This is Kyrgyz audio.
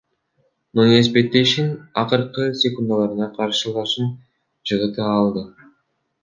Нунес беттештин акыркы секундаларында каршылашын жыгыта алды.